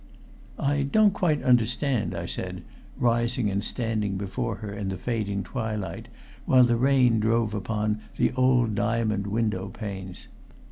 "I don't quite understand," I said, rising and standing before her in the fading twilight, while the rain drove upon the old diamond window panes.